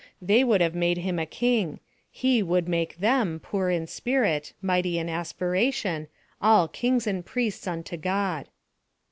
They would have made him a king: he would make them poor in spirit, mighty in aspiration, all kings and priests unto God.